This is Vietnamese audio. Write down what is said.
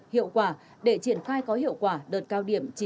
hiệu quả để triển khai có hiệu quả đợt cao điểm